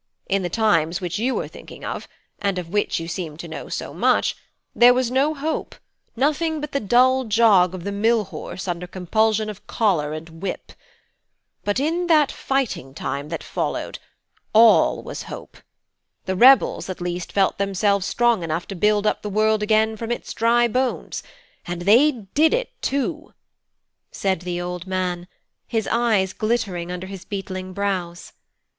In the times which you are thinking of, and of which you seem to know so much, there was no hope; nothing but the dull jog of the mill horse under compulsion of collar and whip; but in that fighting time that followed, all was hope: 'the rebels' at least felt themselves strong enough to build up the world again from its dry bones, and they did it, too!" said the old man, his eyes glittering under his beetling brows.